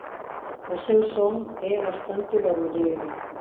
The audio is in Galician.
O seu son é bastante barulleiro.